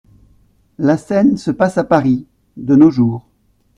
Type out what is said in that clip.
La scène se passe à Paris, de nos jours.